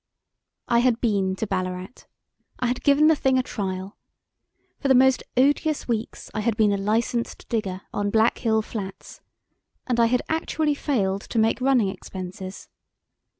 I had been to Ballarat. I had given the thing a trial. For the most odious weeks I had been a licensed digger on Black Hill Flats; and I had actually failed to make running expenses.